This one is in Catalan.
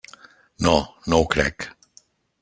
No, no ho crec.